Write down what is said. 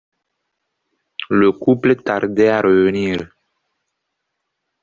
Le couple tardait à revenir.